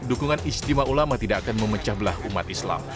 dukungan istimewa ulama tidak akan memecah belah umat islam